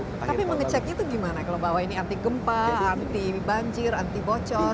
tapi mengeceknya itu gimana kalau bahwa ini anti gempa anti banjir anti bocor